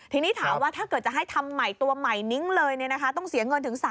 ทีนี้ถามว่าถ้าเกิดจะให้ทำใหม่ตัวใหม่นิ้งเลยต้องเสียเงินถึง๓๐๐